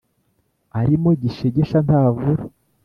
«arimo gishegesha ntavura» (